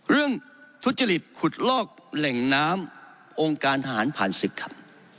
ทุจริตขุดลอกแหล่งน้ำองค์การทหารผ่านศึกครับ